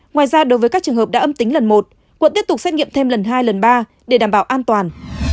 ngoài ra đối với các trường hợp đã âm tính lần một quận tiếp tục xét nghiệm thêm lần hai lần ba để đảm bảo an toàn